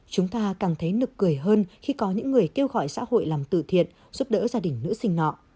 chúng ta càng thấy nực cười hơn khi có những người kêu gọi xã hội làm từ thiện giúp đỡ gia đình nữ sinh nọ